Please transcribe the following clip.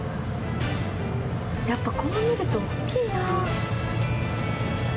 やっぱり、こう見ると大きいな。